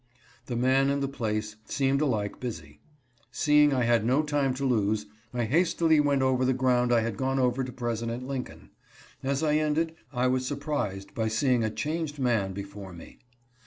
The man and the place seemed alike busy. Seeing I had no time to lose, I hastily went over the ground I had gone over to President Lincoln. As I ended I was surprised by seeing a changed man before me.